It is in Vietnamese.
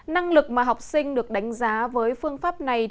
năng lực mà học sinh được đánh giá với phương pháp này